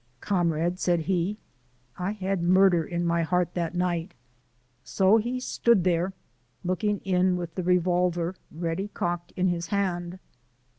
"Comrade," said he, "I had murder in my heart that night." So he stood there looking in with the revolver ready cocked in his hand.